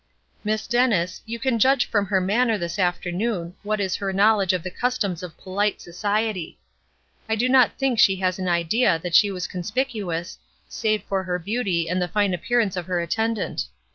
Miss Dennis, you can judge from her manner this afternoon what is her knowledge of the customs of polite society. I do not think she has an idea that she was conspicuous, save for her beauty and the fine appearance of her attendant.